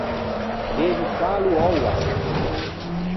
Devi fâlo oua!